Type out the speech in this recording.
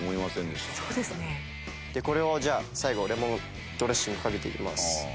でこれをじゃあ最後レモンドレッシングかけていきます。